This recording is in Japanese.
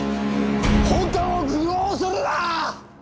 本官を愚弄するな！